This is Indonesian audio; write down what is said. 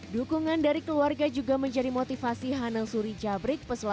dukungan dari keluarga juga menjadi motivasi hanang suri jabrik pesona